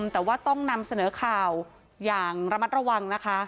แต่ว่าต้องนำเสนอข่าวอย่างระมัดระวังนะคะ